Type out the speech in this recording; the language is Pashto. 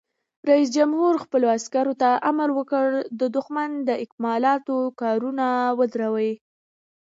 رئیس جمهور خپلو عسکرو ته امر وکړ؛ د دښمن د اکمالاتو کاروان ودروئ!